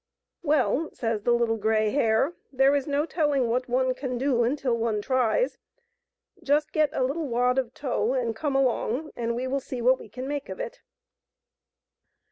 " Well," says the Little Grey Hare, " there is no telling what one can do till one tries ; just get a little wad of tow and come along, and we will see what we can make of it."